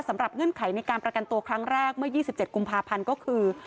สำหรับเงื่อนไขในการประกันตัวครั้งแรกเมื่อยี่สิบเจ็ดกุมภาพันธ์ก็คือ